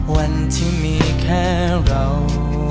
วันที่มีแค่เรา